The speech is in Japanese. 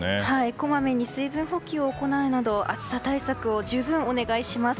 こまめに水分補給を行うなど暑さ対策を十分お願いします。